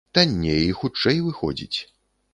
Танней і хутчэй выходзіць.